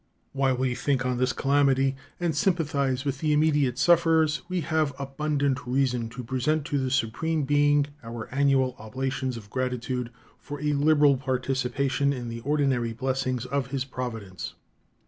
While we think on this calamity and sympathize with the immediate sufferers, we have abundant reason to present to the Supreme Being our annual oblations of gratitude for a liberal participation in the ordinary blessings of His providence.